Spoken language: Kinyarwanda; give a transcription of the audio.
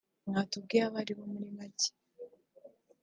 mwatubwira abo ari bo muri make